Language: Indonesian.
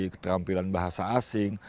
keterampilan bahasa asing